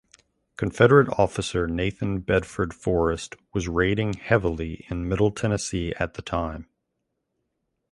Confederate officer Nathan Bedford Forrest was raiding heavily in middle Tennessee at the time.